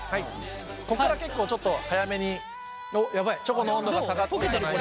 ここから結構ちょっと早めにチョコの温度が下がってくるので。